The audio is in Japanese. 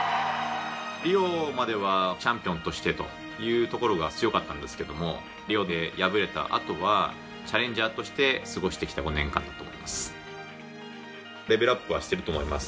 リオまではチャンピオンとしてというところが強かったんですけどもリオで敗れたあとはチャレンジャーとして過ごしてきた５年間だと思います。